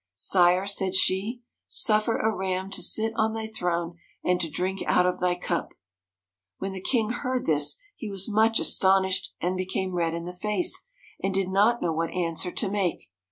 'Sire!' said she, 'suffer a Ram to sit on thy throne, and to drink out of thy cup.' When the king heard this he was much astonished and became red in the face, and did not know what answer to make.